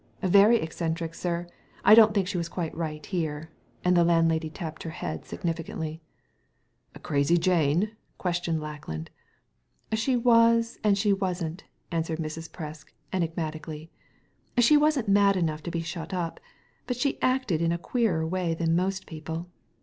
" Very eccentric, sir. I don't think she was quite right here. And the landlady tapped her head significantly. "A Crazy Jane?" questioned Lackland. '* She was and she wasn't,'' answered Mrs. Presk, enigmatically. She wasn't mad enough to be shut up, but she acted in a queerer way than most people.